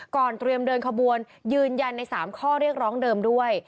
เตรียมเดินขบวนยืนยันใน๓ข้อเรียกร้องเดิมด้วย